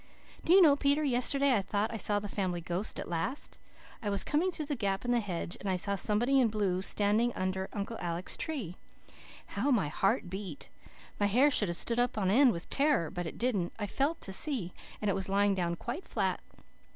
"Do you know, Peter, yesterday I thought I saw the Family Ghost at last. I was coming through the gap in the hedge, and I saw somebody in blue standing under Uncle Alec's tree. How my heart beat! My hair should have stood up on end with terror but it didn't. I felt to see, and it was lying down quite flat.